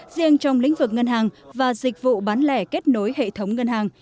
riêng trong lĩnh vực ngân hàng và dịch vụ bán lẻ kết nối hệ thống ngân hàng